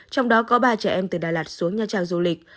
trong đó có ba trẻ em từ đà lạt xuống nha trang du lịch